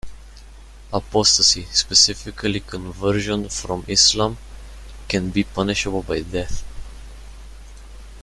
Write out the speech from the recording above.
Apostasy, specifically conversion from Islam, can be punishable by death.